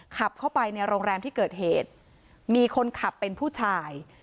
ขับเข้าไปในโรงแรมที่เกิดเหตุมีคนขับเป็นผู้ชาย